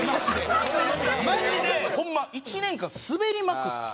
マジでホンマ１年間スベりまくって。